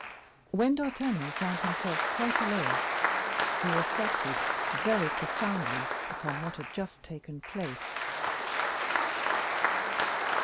When D'Artagnan found himself quite alone, he reflected very profoundly upon what had just taken place.